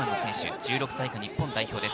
１６歳以下日本代表です。